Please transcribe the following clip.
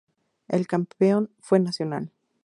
El campeón fue Nacional.